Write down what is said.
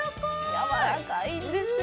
やわらかいんですよ。